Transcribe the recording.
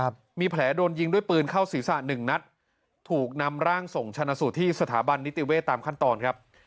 ครับมีแผลโดนยิงด้วยปืนเข้าศีรษะหนึ่งนัดถูกนำร่างส่งชนะสูตรที่สถาบันนิติเวศตามขั้นตอนครับ